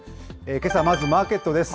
けさ、まずマーケットです。